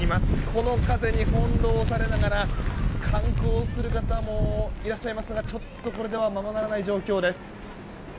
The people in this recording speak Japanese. この風に翻弄されながら観光する方もいらっしゃいますがちょっとこれではままならない状態です。